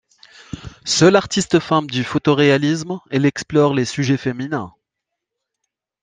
Seule artiste femme du photoréalisme, elle explore les sujets féminins.